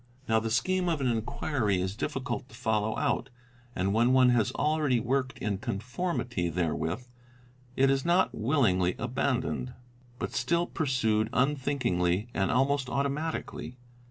Now the scheme of an inquiry is difficult to follow out, and, when one has already worked in conformity therewith, it is not willingly abandoned ; but still pursued unthinkingly and almost automatically.